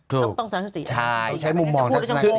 ต้องต้องสาธารณสถิติใช่ใช้มุมมองทัศนคติ